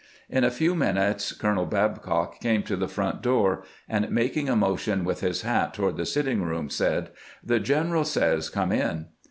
In a few minutes Colonel Babcock came to the front door, and, making a motion with his hat toward the sitting room, said :" The general says come in."